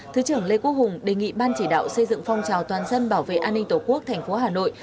thứ trưởng lê quốc hùng đề nghị ban chỉ đạo xây dựng phong trào toàn dân bảo vệ an ninh tổ quốc tp hà nội